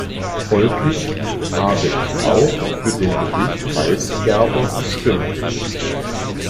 Folglich habe ich auch für den Bericht Weisgerber gestimmt.